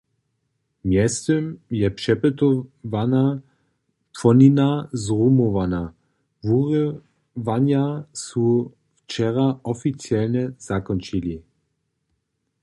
Mjeztym je přepytowana płonina zrumowana, wurywanja su wčera oficialnje zakónčili.